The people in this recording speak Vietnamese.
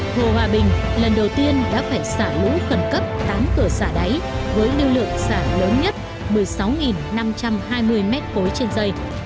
hồ hòa bình lần đầu tiên đã phải xả lũ khẩn cấp tám cửa xả đáy với lưu lượng xả lớn nhất một mươi sáu năm trăm hai mươi m ba trên dây